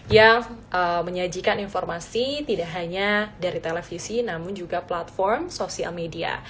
yang menyajikan informasi tidak hanya dari televisi namun juga platform sosial media